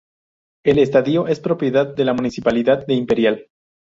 El estadio es propiedad de la Municipalidad de Imperial.